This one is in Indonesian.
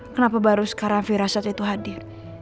kenapa baru sekarang firasat itu hadir